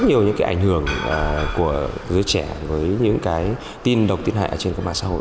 rất nhiều những cái ảnh hưởng của giới trẻ với những cái tin độc tiến hại trên các mạng xã hội